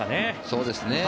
そうですね。